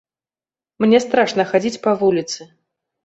Мне страшна хадзіць па вуліцы.